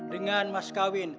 dengan mas kawin